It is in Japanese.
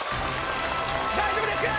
大丈夫ですか！